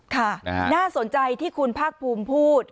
ค่ะน่าสนใจที่คุณภาคภูมิพูด